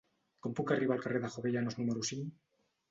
Com puc arribar al carrer de Jovellanos número cinc?